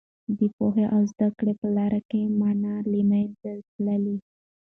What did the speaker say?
د پوهې او زده کړې په لاره کې موانع له منځه تللي.